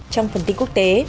trong phần tin quốc tế